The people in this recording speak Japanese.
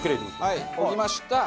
はい置きました。